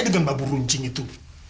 dengan bambu runcing itu